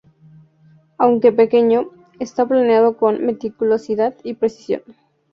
Aunque pequeño, está planeado con meticulosidad y precisión.